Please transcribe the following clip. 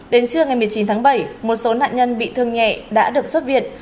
đến trưa ngày một mươi chín tháng bảy một số nạn nhân bị thương nhẹ đã được xuất viện